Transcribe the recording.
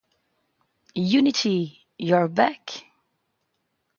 Unity! You are back!